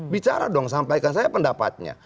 bicara dong sampaikan saya pendapatnya